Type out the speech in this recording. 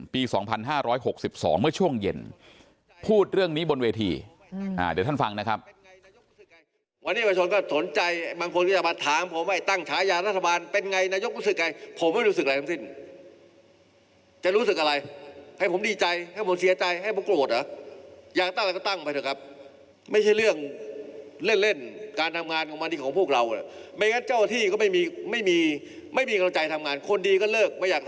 ปี๒๕๖๒เมื่อช่วงเย็นพูดเรื่องนี้บนเวทีเดี๋ยวท่านฟังนะครับ